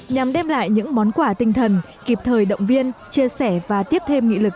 nhằm đem lại những món quà tinh thần kịp thời động viên chia sẻ và tiếp thêm nghị lực